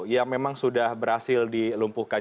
yang memang sudah berhasil dilumpuhkan